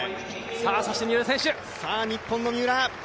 そして三浦選手、日本の三浦。